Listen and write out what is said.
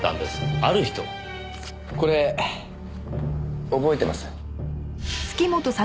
これ覚えてます？